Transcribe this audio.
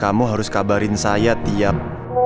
kamu harus kabarin saya tiap